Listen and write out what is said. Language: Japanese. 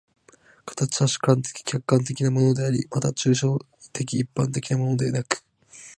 形は主観的・客観的なものであり、また抽象的一般的なものでなく、